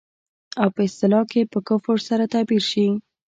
او په اصطلاح په کفر سره تعبير شي.